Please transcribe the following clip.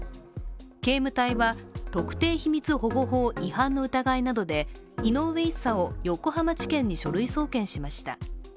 警務隊は特定秘密保護法違反の疑いなどで井上１佐を横浜地検に書類送検しました。